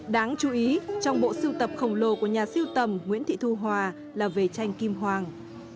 đáng chú ý trong bộ siêu tập khổng lồ của nhà siêu tầm nguyễn thị thu hòa là về tranh kim hoàng